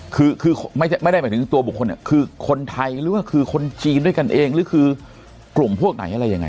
คือคือไม่ได้หมายถึงตัวบุคคลคือคนไทยหรือว่าคือคนจีนด้วยกันเองหรือคือกลุ่มพวกไหนอะไรยังไง